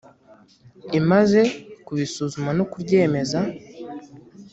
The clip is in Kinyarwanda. imaze kubisuzuma no kuryemeza